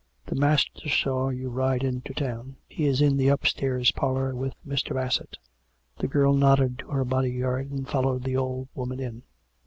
The master saw you ride into town. He is in the upstairs parlour, with Mr. Bassett." The girl nodded to her bodyguard, and followed the old woman in.